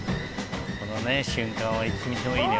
この瞬間はいつ見てもいいね。